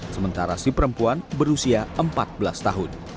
sementara si perempuan berusia empat belas tahun